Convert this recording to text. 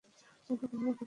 অনুগ্রহপূর্বক অপেক্ষা করুন।